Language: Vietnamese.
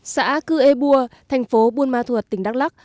xã cư ê bua thành phố buôn ma thuột tỉnh đắk lắc